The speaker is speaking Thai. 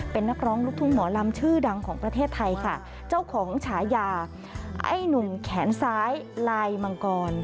เป็นนักร้องลูกทุ่งหมอลำชื่อดังของประเทศไทยค่ะเจ้าของฉายาไอ้หนุ่มแขนซ้ายลายมังกร